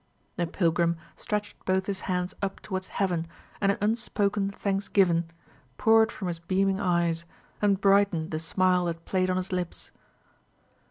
The pilgrim stretched both his hands up towards heaven and an unspoken thanksgiving poured from his beaming eyes, and brightened the smile that played on his lips.